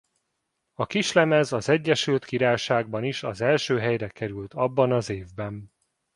A kislemez az Egyesült Királyságban is az első helyre került abban az évben.